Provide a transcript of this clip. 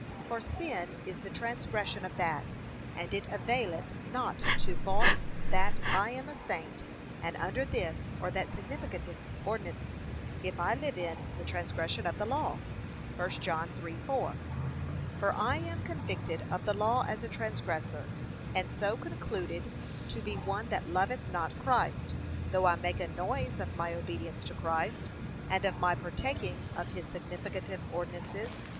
For sin is the transgression of that, and it availeth not to vaunt that I am a saint and under this or that significative ordinance, if I live in' the transgression of the law.'(1 John 3:4) For I am convicted of the law as a transgressor, and so concluded to be one that loveth not Christ, though I make a noise of my obedience to Christ, and of my partaking of his significative ordinances.